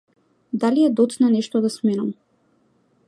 Дали е доцна нешто да сменам?